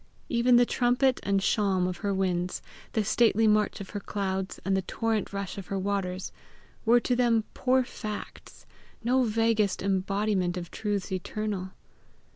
Even the trumpet and shawm of her winds, the stately march of her clouds, and the torrent rush of her waters, were to them poor facts, no vaguest embodiment of truths eternal.